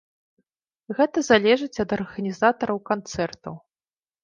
Гэта залежыць ад арганізатараў канцэртаў.